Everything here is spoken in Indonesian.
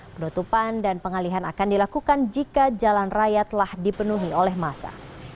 penutupan dan pengalihan akan dilakukan jika jalan raya telah dipenuhi oleh masa